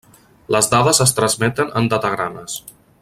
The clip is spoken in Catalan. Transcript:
Les dades es transmeten en datagrames.